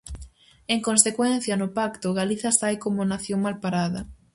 En consecuencia, no pacto, Galiza sae como nación mal parada.